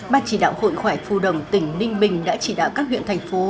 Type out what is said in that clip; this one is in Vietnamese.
bác chỉ đạo hội khỏe phụ đồng tỉnh ninh bình đã chỉ đạo các huyện thành phố